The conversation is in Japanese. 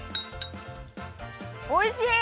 おいしい！